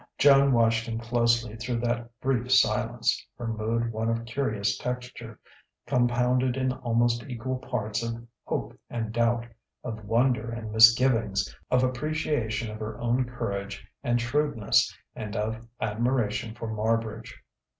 Joan watched him closely through that brief silence, her mood one of curious texture, compounded in almost equal parts of hope and doubt, of wonder and misgivings, of appreciation of her own courage and shrewdness, and of admiration for Marbridge.